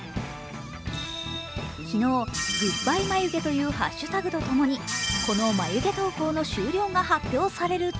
昨日、グッバイ眉毛というハッシュタグとともにこの眉毛投稿の終了が発表されると